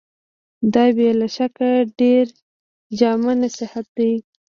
دا بې له شکه ډېر جامع نصيحت دی.